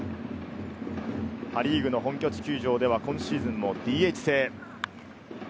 パ・リーグの本拠地球場では今シーズンもＤＨ制。